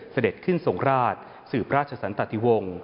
เสด็จขึ้นทรงราชสื่อพระราชสันตะทิวง